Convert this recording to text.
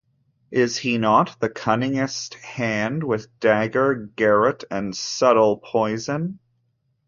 Is he not the cunningest hand with dagger, garotte, and subtle poison?